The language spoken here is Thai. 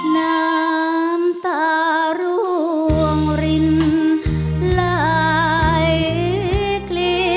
น้ำตาร่วงรินไหลเกลียแก้ม